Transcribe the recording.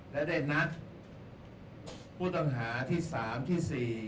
และได้นัดผู้ต้องหาที่๓ที่๔